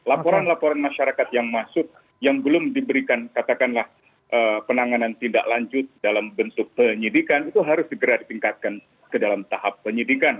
laporan laporan masyarakat yang masuk yang belum diberikan katakanlah penanganan tindak lanjut dalam bentuk penyidikan itu harus segera ditingkatkan ke dalam tahap penyidikan